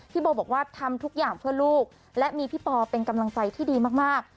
โบบอกว่าทำทุกอย่างเพื่อลูกและมีพี่ปอเป็นกำลังใจที่ดีมาก